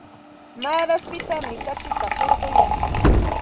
Maaraspitam kachita hurquyan.